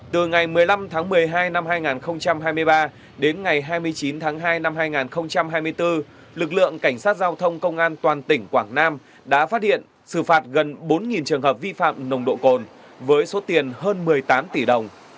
từ ngày một mươi năm tháng một mươi hai năm hai nghìn hai mươi ba đến ngày hai mươi chín tháng hai năm hai nghìn hai mươi bốn lực lượng cảnh sát giao thông công an toàn tỉnh quảng nam đã phát hiện xử phạt gần bốn trường hợp vi phạm nồng độ cồn với số tiền hơn một mươi tám tỷ đồng